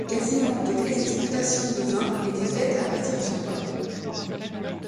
Quasiment toutes les exportations de vins était faites à partir de son port.